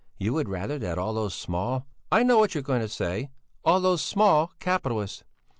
"You would rather that all those small...." "I know what you are going to say, all those small capitalists.